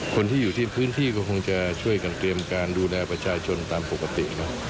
คนที่อยู่ที่พื้นที่ก็คงจะช่วยกันเตรียมการดูแลประชาชนตามปกติเนอะ